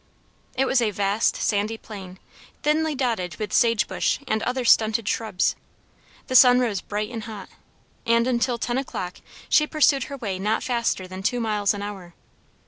It was a vast sandy plain, thinly dotted with sage bush and other stunted shrubs. The sun rose bright and hot, and, until ten o'clock, she pursued her way not faster than two miles an hour.